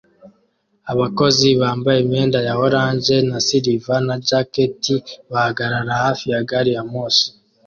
Abakozi bambaye imyenda ya orange na silver na jacketi bahagarara hafi ya gari ya moshi